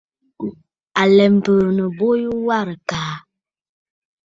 À lɛ biinə bo yu warə̀ àkàà.